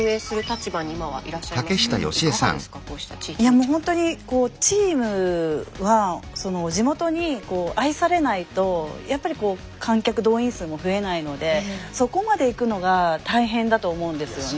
もうほんとにチームは地元に愛されないとやっぱり観客動員数も増えないのでそこまでいくのが大変だと思うんですよね。